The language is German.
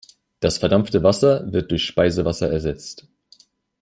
Das verdampfte Wasser wird durch Speisewasser ersetzt.